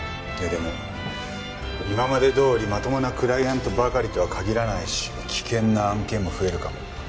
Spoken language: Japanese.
でも今までどおりまともなクライアントばかりとは限らないし危険な案件も増えるかも。